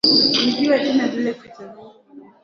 naye mtoto wa kanali gaddafi seif al islam